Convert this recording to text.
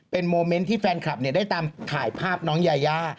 เป็นโมเมนต์ที่แฟนคลับได้ตามถ่ายภาพน้องยายา